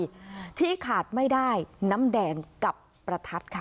ผู้หญิงชุดไทยที่ขาดไม่ได้น้ำแดงกับประทัดค่ะ